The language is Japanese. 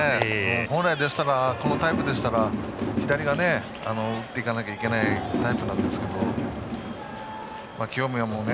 本来でしたら、このタイプなら左が打っていかないといけないタイプなんですけどね。